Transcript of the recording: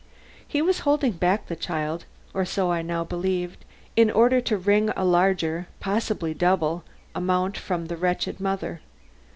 He was holding back the child, or so I now believed, in order to wring a larger, possibly a double, amount from the wretched mother.